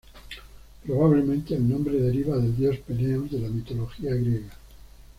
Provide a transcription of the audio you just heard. Probablemente el nombre deriva del dios Peneo de la mitología griega.